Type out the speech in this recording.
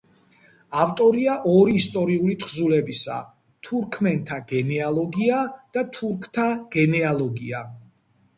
ავტორია ორი ისტორიული თხზულებისა: „თურქმენთა გენეალოგია“ და „თურქთა გენეალოგია“.